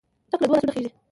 ټک له دوو لاسونو خېژي.